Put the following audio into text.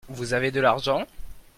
Vous avez de l'argent ?